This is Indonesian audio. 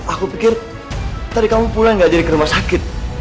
aku pikir tadi kamu pulang gak jadi ke rumah sakit